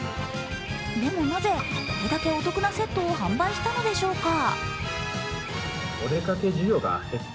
でも、なぜこれだけお得なセットを販売したのでしょうか。